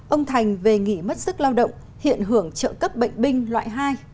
ông thành về nghỉ mất sức lao động hiện hưởng trợ cấp bệnh binh loại hai